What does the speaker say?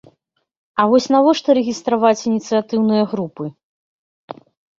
А вось навошта рэгістраваць ініцыятыўныя групы!?